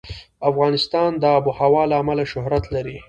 افغانستان د آب وهوا له امله شهرت لري.